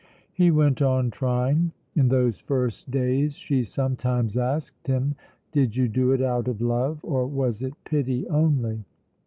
He went on trying. In those first days she sometimes asked him, "Did you do it out of love, or was it pity only?"